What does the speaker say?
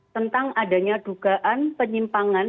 tentang adanya dugaan penyimpangan